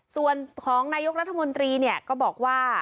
ส่วนของนายกรัฐมนตรีเนี่ยก็บอกว่า